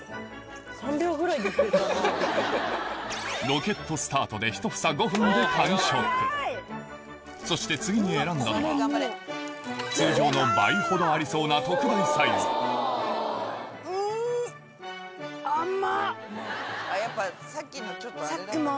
ロケットスタートで１房そして次に選んだのは通常の倍ほどありそうな特大サイズうん！